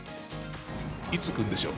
いつ来るんでしょう。